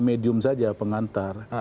medium saja pengantar